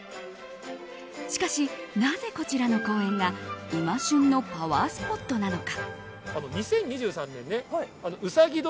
しかしなぜ、こちらの公園が今旬のパワースポットなのか？